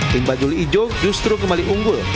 tim bajul ijo justru kembali unggul